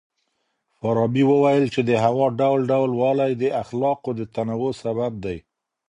فارابي وويل چي د هوا ډول ډول والی د اخلاقو د تنوع سبب دی.